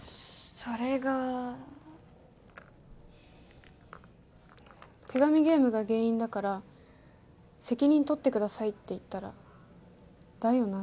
それが手紙ゲームが原因だから責任取ってくださいって言ったら「だよな」